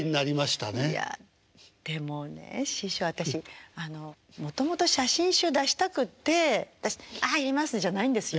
でもね師匠私もともと写真集出したくって「はいやります」じゃないんですよ。